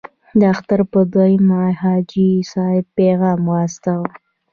د اختر په دریمه حاجي صاحب پیغام واستاوه.